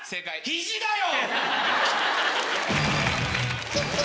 肘だよ！